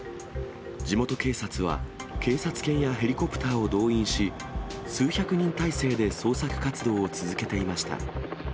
地元警察は、警察犬やヘリコプターを動員し、数百人態勢で捜索活動を続けていました。